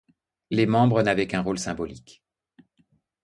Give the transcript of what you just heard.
Les membres n'avaient qu'un rôle symbolique.